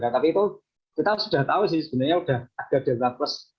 tapi itu kita sudah tahu sih sebenarnya sudah ada delta plus